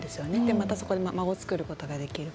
またそこで間を作ることができる。